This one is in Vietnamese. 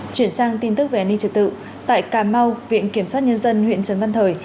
chuyển sang tin tức về an ninh trực tự tại cà mau viện kiểm soát nhân dân huyện trấn văn thời